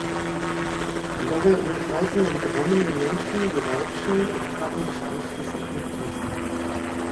Dabei umkreisen und rammen die Männchen die Weibchen und paaren sich anschließend mit diesen.